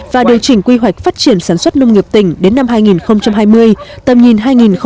và điều chỉnh quy hoạch phát triển sản xuất nông nghiệp tỉnh đến năm hai nghìn hai mươi tầm nhìn hai nghìn ba mươi